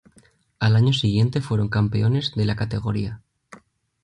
Al año siguiente fueron campeones de la categoría.